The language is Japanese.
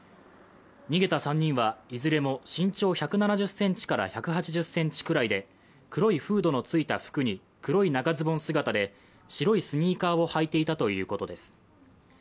逃げた３人はいずれも身長１７０ｃｍから１８０ｃｍくらいで黒いフードのついた服に黒い長ズボン姿で白いスニーカーを履いていたということです。